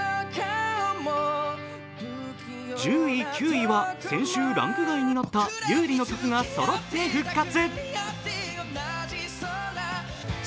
１０位、９位は先週ランク外になった優里の曲がそろって復活。